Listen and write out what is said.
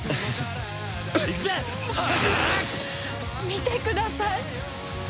見てください。